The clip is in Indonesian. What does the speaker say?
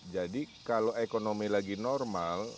jadi kalau ekonomi lagi normal